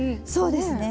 そうですね